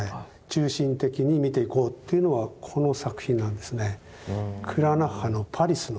中心的に見ていこうっていうのはこの作品なんですね。